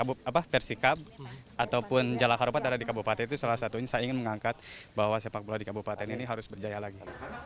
bandung ini geografisnya saya tahu bahwa posisi persikap ataupun jalan karupat ada di kabupaten itu salah satunya saya ingin mengangkat bahwa sepak bola di kabupaten ini harus berjaya lagi